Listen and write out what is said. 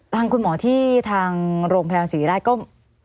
ทางคุณหมอที่ทางโรงพยาบาลศรีราชก็